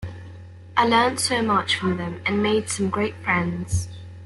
I learnt so much from them and made some great friends.